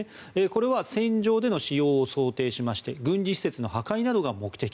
これは戦場での使用を想定して軍事施設の破壊などが目的。